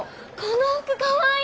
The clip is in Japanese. この服かわいい！